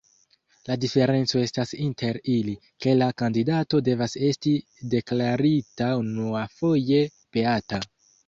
La diferenco estas inter ili, ke la kandidato devas esti deklarita unuafoje beata.